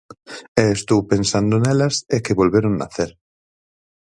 E estou pensando nelas e que volveron nacer.